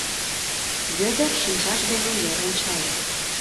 Вӧдыр шинчаж дене йыр ончале.